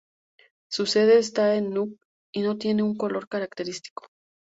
Su sede está en Nuuk y no tiene un color característico.